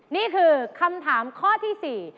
นี่คือคำถามข้อที่๔